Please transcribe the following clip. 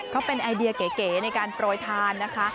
เขาเป็นไอเดียเก๋ในการโปรยทานนะคะ